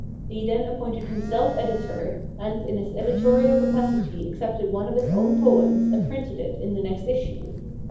He then appointed himself editor, and in his editorial capacity accepted one of his own poems and printed it in the next issue.